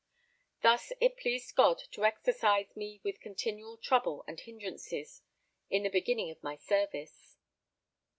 Thus it pleased God to exercise me with continual trouble and hindrances in the beginning of my service.